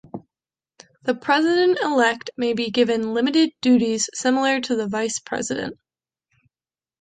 The President-Elect may be given limited duties, similar to a Vice-President.